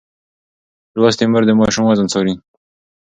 لوستې مور د ماشوم وزن څاري.